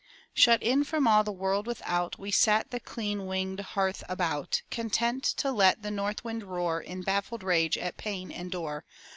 Shut in from all the world without, We sat the clean winged hearth about, Content to let the north wind roar In baffled rage at pane and door.